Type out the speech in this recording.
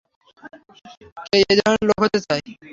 কে এই ধরনের লোক হতে চায়?